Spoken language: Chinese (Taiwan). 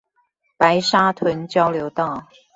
白沙屯交流道